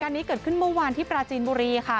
อันนี้เกิดขึ้นเมื่อวานที่ปราจีนบุรีค่ะ